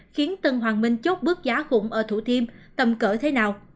khiến tân hoàng minh chốt bước giá khủng ở thủ thiêm tầm cỡ thế nào